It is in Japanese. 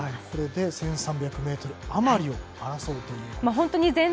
これで１３００ｍあまりを争うという。